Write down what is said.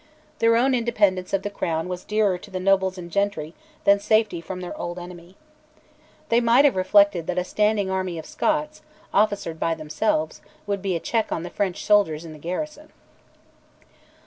Their own independence of the Crown was dearer to the nobles and gentry than safety from their old enemy. They might have reflected that a standing army of Scots, officered by themselves, would be a check on the French soldiers in garrison.